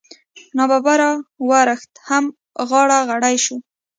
نا ببره ورښت هم غاړه غړۍ شو.